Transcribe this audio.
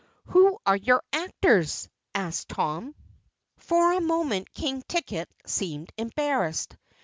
"Who are your actors?" asked Tom. For a moment King Ticket seemed embarrassed.